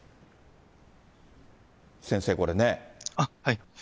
先生、これね。